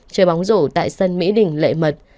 trời bóng rổ tại sân mỹ đình lệ mật